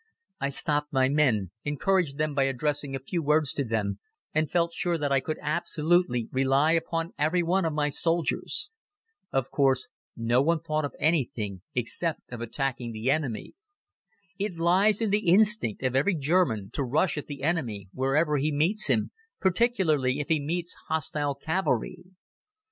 I stopped my men, encouraged them by addressing a few words to them, and felt sure that I could absolutely rely upon everyone of my soldiers. Of course no one thought of anything except of attacking the enemy. It lies in the instinct of every German to rush at the enemy wherever he meets him, particularly if he meets hostile cavalry.